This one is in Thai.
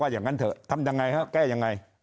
อย่างนั้นเถอะทำยังไงฮะแก้ยังไง